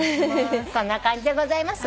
こんな感じでございます。